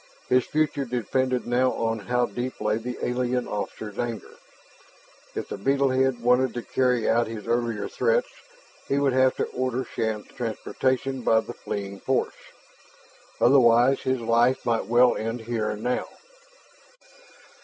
His future depended now on how deep lay the alien officer's anger. If the beetle head wanted to carry out his earlier threats, he would have to order Shann's transportation by the fleeing force. Otherwise his life might well end here and now.